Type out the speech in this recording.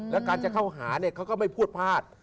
และการจะเข้าหาเขาก็ไม่พูดพลาด